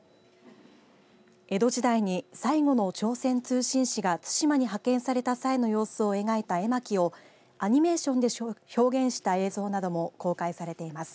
江戸時代に最後の朝鮮通信使が対馬に派遣された際の様子を描いた絵巻をアニメーションで表現した映像なども公開されています。